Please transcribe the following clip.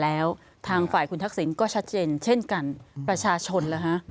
แล้วทางฝ่ายคุณธักสินก็ชัดเจนเช่นกันประชาชน